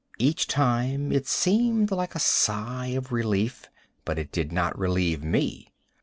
Each time it seemed like a sigh of relief, but it did not relieve me.